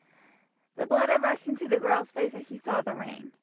The blood had rushed into the girl's face as she saw the ring.